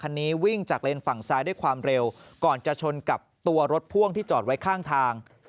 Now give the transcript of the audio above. วิ่งจากเลนส์ฝั่งซ้ายด้วยความเร็วก่อนจะชนกับตัวรถพ่วงที่จอดไว้ข้างทาง